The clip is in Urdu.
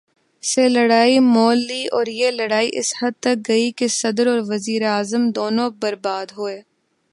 سے لڑائی مول لی اور یہ لڑائی اس حد تک گئی کہ صدر اور وزیر اعظم دونوں برباد ہوئے۔